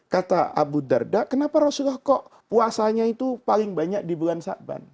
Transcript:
kata abu dharda kenapa rasulullah kok puasanya itu paling banyak di bulan syakban